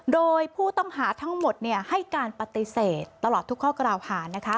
โดยผู้ต้องหาทั้งหมดให้การปฏิเสธตลอดทุกข้อกล่าวหา